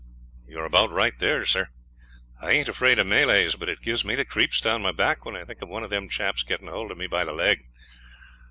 "You are about right there, sir. I aint afraid of Malays, but it gives me the creeps down my back when I think of one of them chaps getting hold of me by the leg.